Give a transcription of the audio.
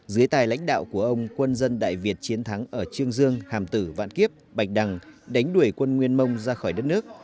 dưới tài lãnh đạo của ông quân dân đại việt chiến thắng ở trương dương hàm tử vạn kiếp bạch đằng đánh đuổi quân nguyên mông ra khỏi đất nước